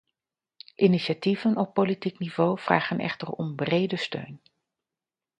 Initiatieven op politiek niveau vragen echter om brede steun.